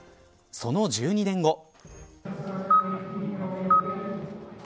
その１２年後。